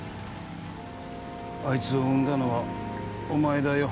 あいつを生んだのはお前だよ